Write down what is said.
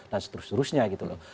dan seterusnya gitu loh